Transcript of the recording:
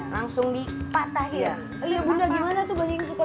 langsung di patahin iya mana beterak gimana tuh banyak suka